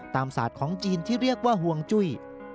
ศาสตร์ของจีนที่เรียกว่าห่วงจุ้ย